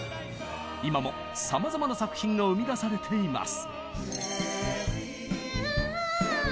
今もさまざまな作品が生み出されています。